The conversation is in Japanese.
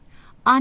あ！